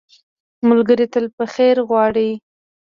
ملګری تل په خیر غواړي